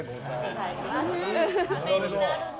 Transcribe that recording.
ためになるね。